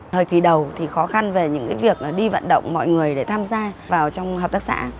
thời kỳ đầu thì khó khăn về những việc đi vận động mọi người để tham gia vào trong hợp tác xã